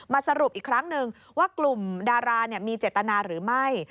สรุปอีกครั้งหนึ่งว่ากลุ่มดารามีเจตนาหรือไม่